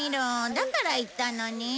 だから言ったのに。